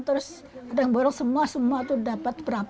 terus ada yang borong semua semua itu dapat berapa